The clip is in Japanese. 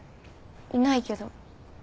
いないけど。